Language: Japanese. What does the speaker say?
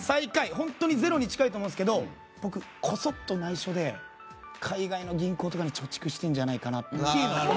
本当にゼロに近いと思いますけど僕こそっと内緒で海外の銀行とかに貯蓄してるんじゃないかなって。